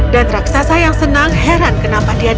dan raksasa yang senang heran kenapa dia datang